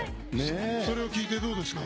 それを聞いてどうですか？